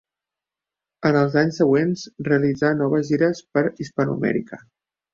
En els anys següents realitzà noves gires per Hispanoamèrica.